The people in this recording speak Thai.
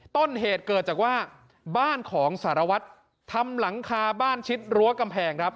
ต้นเหตุเกิดจากว่าบ้านของสารวัตรทำหลังคาบ้านชิดรั้วกำแพงครับ